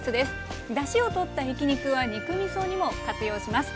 だしをとったひき肉は肉みそにも活用します。